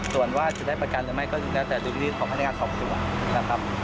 ส่วนว่าจะได้ประกันหรือไม่ก็แล้วแต่ดุลพินิษฐของพนักงานสอบสวนนะครับ